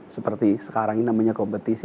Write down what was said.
seperti sekarang ini namanya kompetisi